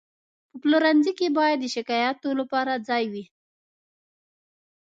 په پلورنځي کې باید د شکایاتو لپاره ځای وي.